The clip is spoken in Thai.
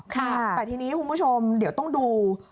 แต่ทีนี้คุณผู้ชมเดี๋ยวต้องดู